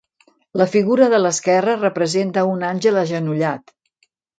La figura de l'esquerra representa un àngel agenollat.